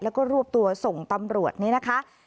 แล้วก็รวบตัวส่งตำรวจนี้นะคะ